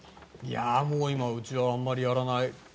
もう今、うちはあまりやらない。